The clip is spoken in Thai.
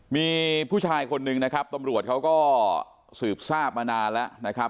มีผู้ชายคนหนึ่งนะครับตำรวจเขาก็สืบทราบมานานแล้วนะครับ